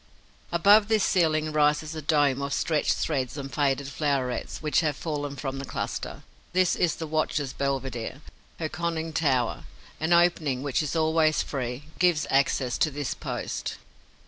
Above this ceiling rises a dome of stretched threads and faded flowerets which have fallen from the cluster. This is the watcher's belvedere, her conning tower. An opening, which is always free, gives access to this post.